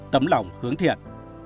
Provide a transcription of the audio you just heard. tấm lòng hướng thiện